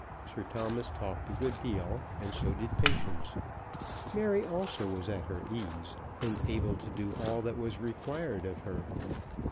Sir Thomas talked a good deal, and so did Patience. Mary also was at her ease, and able to do all that was required of her.